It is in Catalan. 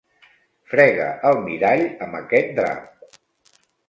Frega el mirall amb aquest drap.